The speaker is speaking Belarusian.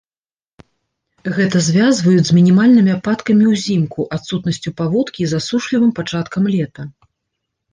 Гэта звязваюць з мінімальнымі ападкамі ўзімку, адсутнасцю паводкі і засушлівым пачаткам лета.